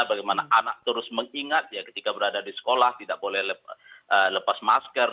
bagaimana anak terus mengingat ya ketika berada di sekolah tidak boleh lepas masker